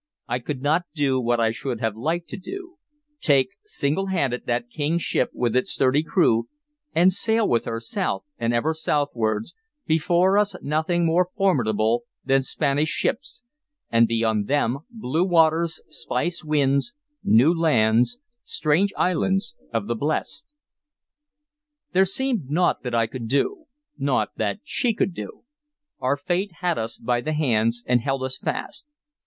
I could not do what I should have liked to do, take, single handed, that King's ship with its sturdy crew and sail with her south and ever southwards, before us nothing more formidable than Spanish ships, and beyond them blue waters, spice winds, new lands, strange islands of the blest. There seemed naught that I could do, naught that she could do. Our Fate had us by the hands, and held us fast.